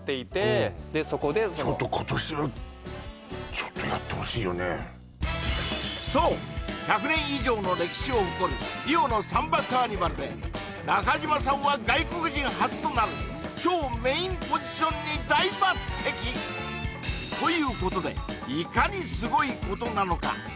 そこでちょっとそう１００年以上の歴史を誇るリオのサンバカーニバルで中島さんは外国人初となる超メインポジションに大抜擢！ということでいかにすごいことなのか